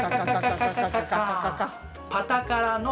「パタカラ」の「ラ」。